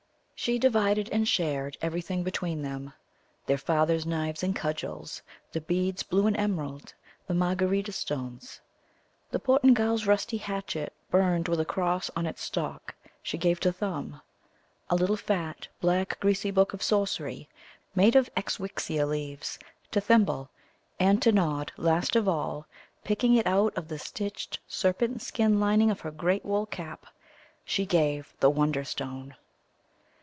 She divided and shared everything between them their father's knives and cudgels, the beads blue and emerald, the Margarita stones. The Portingal's rusty hatchet, burned with a cross on its stock, she gave to Thumb; a little fat black greasy book of sorcery, made of Exxswixxia leaves, to Thimble; and to Nod, last of all, picking it out of the stitched serpent skin lining of her great wool cap, she gave the Wonderstone.